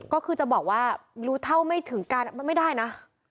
ก็คือจะบอกว่ารู้เท่าไม่ถึงการมันไม่ได้นะ